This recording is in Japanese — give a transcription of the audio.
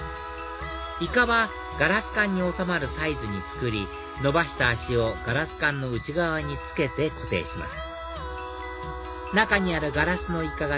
イカはガラス管に収まるサイズに作り伸ばした足をガラス管の内側に付けて固定します